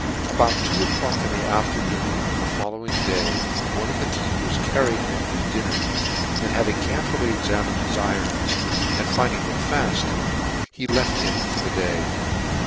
About two o'clock iA the afternoon cf the fol lowing day one of the keepers carried him his din ner, and having carefully examined his irons, and finding them faft, he left him for the day.